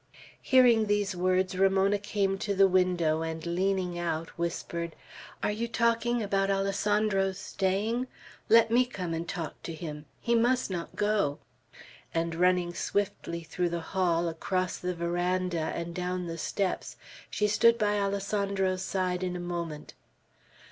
Hearing these words, Ramona came to the window, and leaning out, whispered, "Are you talking about Alessandro's staying? Let me come and talk to him. He must not go." And running swiftly through the hall, across the veranda, and down the steps, she stood by Alessandro's side in a moment.